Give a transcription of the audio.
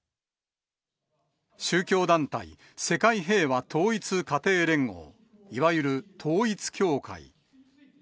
宗教団体世界平和統一家庭連合、いわゆる統一教会。